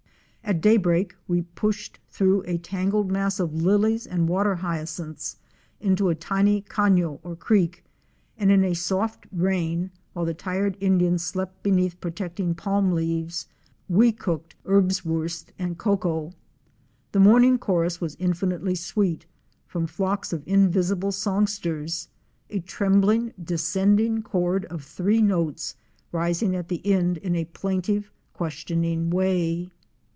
At daybreak we pushed through a tangled mass of lilies and water hyacinths into a tiny cafio or creek, and in a soft rain, while the tired Indians slept beneath protecting palm leaves, we cooked erbswurst and cocoa. The morning chorus was infinitely sweet, from flocks of invisible song sters, —a trembling descending chord of three notes, rising at the end in a plaintive, questioning way.